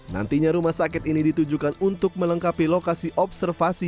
nantinya rumah sakit ini ditujukan untuk melengkapi lokasi observasi